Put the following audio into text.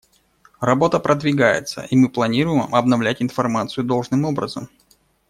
Работа продвигается, и мы планируем обновлять информацию должным образом.